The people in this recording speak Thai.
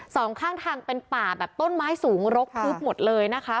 สองข้างทางเป็นป่าแบบต้นไม้สูงรกทึบหมดเลยนะคะ